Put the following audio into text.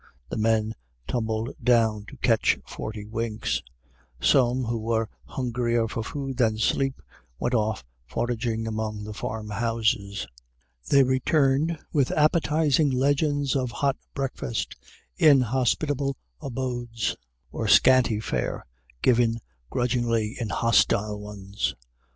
The men tumbled down to catch forty winks. Some, who were hungrier for food than sleep, went off foraging among the farm houses. They returned with appetizing legends of hot breakfast in hospitable abodes, or scanty fare given grudgingly in hostile ones.